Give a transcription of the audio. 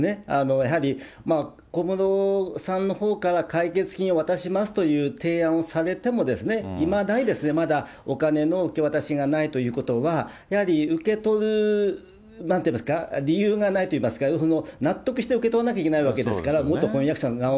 やはり小室さんのほうから解決金を渡しますという提案をされても、いまだにお金の受け渡しがないということは、やはり受け取る、なんといいますか、理由がないといいますか、納得して受け取らなきゃいけないわけですから、元婚約者の側も。